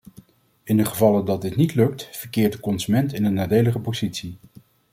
In de gevallen dat dit niet lukt, verkeert de consument in een nadelige positie.